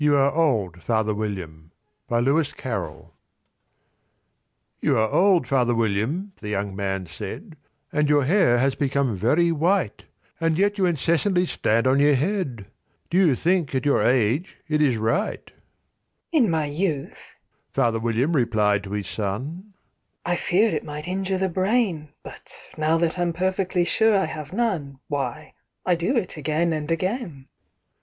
Alice folded her hands, and began:— "You are old, Father William," the young man said, "And your hair has become very white; And yet you incessantly stand on your head— Do you think, at your age, it is right?" "In my youth," Father William replied to his son, "I feared it might injure the brain; But, now that I'm perfectly sure I have none, Why, I do it again and again."